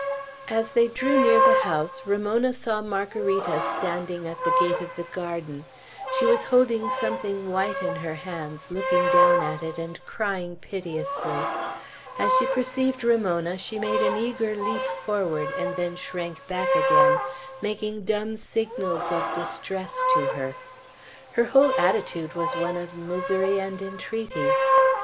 As they drew near the house, Ramona saw Margarita standing at the gate of the garden. She was holding something white in her hands, looking down at it, and crying piteously. As she perceived Ramona, she made an eager leap forward, and then shrank back again, making dumb signals of distress to her. Her whole attitude was one of misery and entreaty.